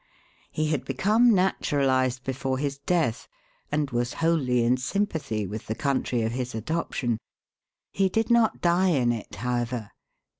He had become naturalized before his death, and was wholly in sympathy with the country of his adoption. He did not die in it, however.